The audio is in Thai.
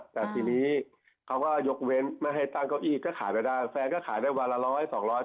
แต่ทีนี้เขาก็ยกเว้นไม่ให้ตั้งเก้าอี้ก็ขายไปได้แฟนก็ขายได้วันละร้อยสองร้อย